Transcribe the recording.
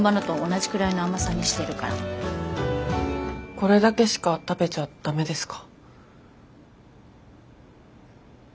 これだけしか食べちゃ駄目ですか？